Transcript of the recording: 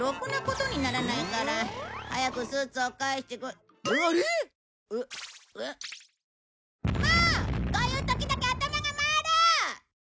こういう時だけ頭が回る！